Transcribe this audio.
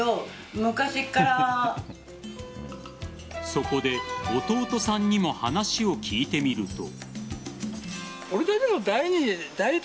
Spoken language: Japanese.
そこで弟さんにも話を聞いてみると。